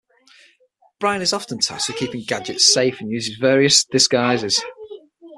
Brain is often tasked with keeping Gadget safe and uses various disguises.